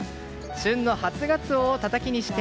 旬の初ガツオをたたきにして